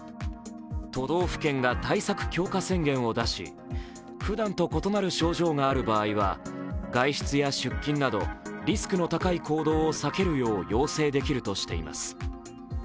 都道府県が対策強化宣言を出し、ふだんと異なる症状がある場合は外出や出勤などリスクの高い行動を避けるよう要請できるとしています。